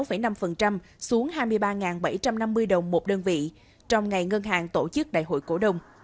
eib giảm sáu năm xuống hai mươi ba bảy trăm năm mươi đồng một đơn vị trong ngày ngân hàng tổ chức đại hội cổ đông